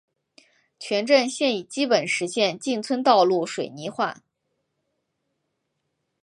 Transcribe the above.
全镇现已基本实现进村道路水泥化。